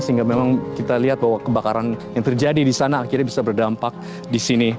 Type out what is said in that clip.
sehingga memang kita lihat bahwa kebakaran yang terjadi di sana akhirnya bisa berdampak di sini